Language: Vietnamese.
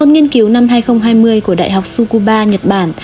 một nghiên cứu năm hai nghìn hai mươi của đại học sukuba nhật bản